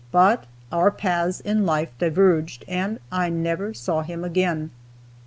But our paths in life diverged, and I never saw him again.